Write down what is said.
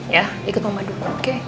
ya ikut mama dulu oke